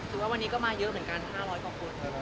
ว่าวันนี้ก็มาเยอะเหมือนกัน๕๐๐กว่าคน